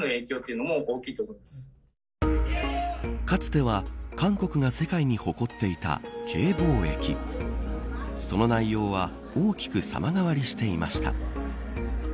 かつては韓国が世界に誇っていたＫ防疫その内容は大きく様変わりしていました。